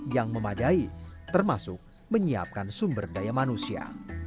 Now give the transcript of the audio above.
yang memadai termasuk menyiapkan sumber daya manusia